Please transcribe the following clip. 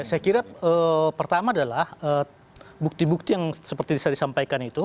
saya kira pertama adalah bukti bukti yang seperti bisa disampaikan itu